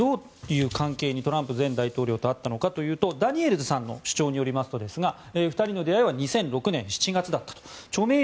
トランプ前大統領とどういう関係にあったのかといいますとダニエルズさんの主張によりますと２人の出会いは２００６年７月だったと。